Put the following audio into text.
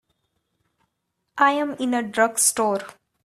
I'm in a drugstore.